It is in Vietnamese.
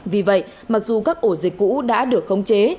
vì vậy mặc dù các ổ dịch cũ đã được khống chế